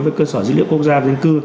với cơ sở dữ liệu quốc gia về dân cư